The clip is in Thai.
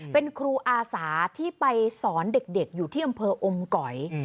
เป็นครูอาสาที่ไปสอนเด็กอยู่ที่อำเภออมก๋อย